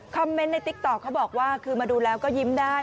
เมนต์ในติ๊กต๊อกเขาบอกว่าคือมาดูแล้วก็ยิ้มได้